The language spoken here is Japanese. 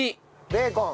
ベーコン！